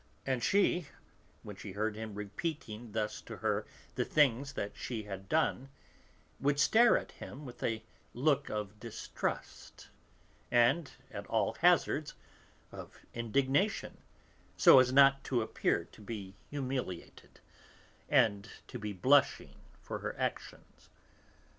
And she, when she heard him repeating thus to her the things that she had done, would stare at him with a look of distrust and, at all hazards, of indignation, so as not to appear to be humiliated, and to be blushing for her actions.